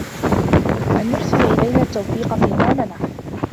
أَنْ يُحْسِنَ إلَيْنَا التَّوْفِيقَ فِيمَا مَنَحَ